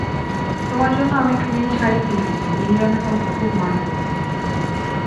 তোমার জন্য আমি একটা নীল শাড়ি কিনেছি, নীল রঙে তোমাকে খুব মানায়।